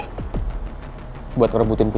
kalau kamu melawan romu